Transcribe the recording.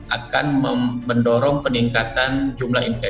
akan mendorong peningkatan jumlah